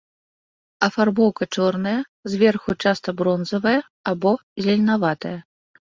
Афарбоўка чорная, зверху часта бронзавая або зеленаватая.